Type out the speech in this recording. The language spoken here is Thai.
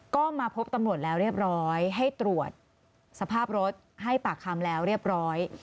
ก็มาพบตำรวจแล้วเรียบร้อยให้ตรวจสภาพรถให้ปากคำแล้วเรียบร้อย